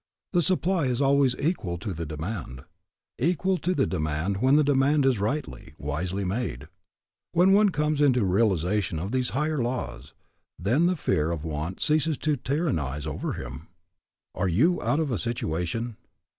The supply is always equal to the demand, equal to the demand when the demand is rightly, wisely made. When one comes into the realization of these higher laws, then the fear of want ceases to tyrannize over him. Are you out of a situation?